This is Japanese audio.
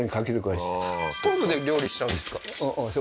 ストーブで料理しちゃうんですか？